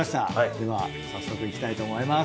では早速いきたいと思います。